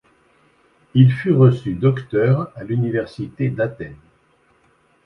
Il fut reçu docteur à l’Université d’Athènes.